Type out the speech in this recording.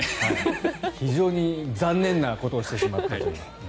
非常に残念なことをしてしまったという。